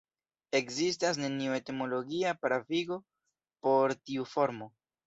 Ekzistas neniu etimologia pravigo por tiu formo.